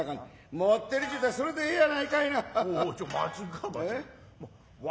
持ってるちゅうたらそれでええやろ。